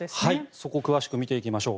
そこを詳しく見ていきましょう。